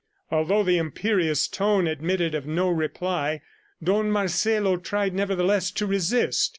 Although the imperious tone admitted of no reply, Don Marcelo tried, nevertheless, to resist.